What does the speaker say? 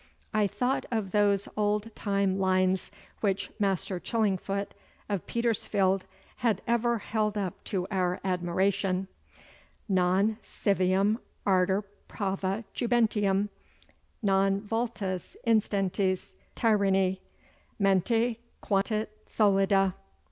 I thought of those old time lines which Master Chillingfoot, of Petersfield, had ever held up to our admiration Non civium ardor prava jubentium Non vultus instantis tyranni Mente quatit solida.